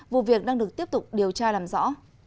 vụ việc đang được tiếp tục điều tra làm rõ